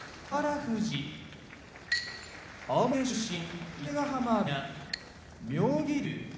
富士青森県出身伊勢ヶ濱部屋妙義龍